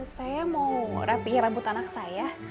saya mau rapih rambut anak saya